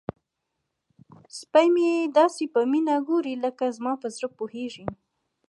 سپی مې داسې په مینه ګوري لکه زما په زړه پوهیږي.